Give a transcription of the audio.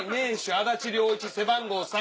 安達了一背番号３。